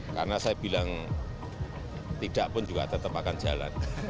karena saya bilang tidak pun juga tetap akan jalan